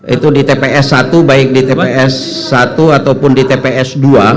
itu di tps satu baik di tps satu ataupun di tps dua